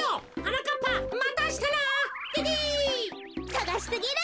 さがしすぎる！